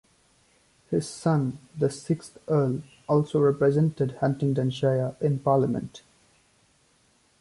His son, the sixth Earl, also represented Huntingdonshire in Parliament.